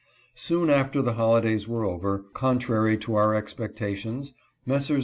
Soon after the holidays were over, contrary to all our expectations, Messrs.